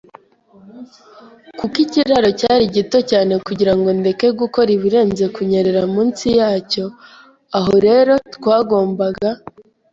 kuko ikiraro cyari gito cyane kugirango ndeke gukora ibirenze kunyerera munsi yacyo. Aho rero twagombaga